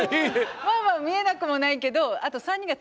まあまあ見えなくもないけど１周した時に。